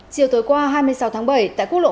chiều tối qua hai mươi sáu tháng bảy tại quốc lộ